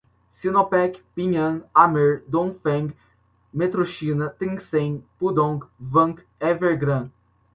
Sinopec, Ping An, Amer, Dongfeng, PetroChina, Tencent, Pudong, Vanke, Evergrande